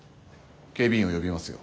警備員を呼びますよ。